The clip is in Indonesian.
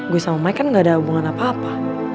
gue sama mike kan gak ada hubungan apa apa